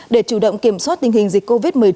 để chủ động kiểm soát tình hình dịch covid một mươi chín